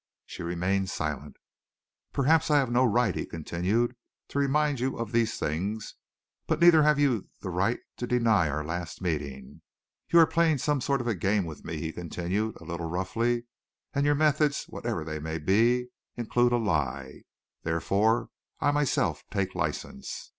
She remained silent. "Perhaps I have no right," he continued, "to remind you of these things, but neither have you the right to deny our later meeting. You are playing some sort of a game with me," he continued, a little roughly, "and your methods, whatever they may be, include a lie. Therefore, I myself take license."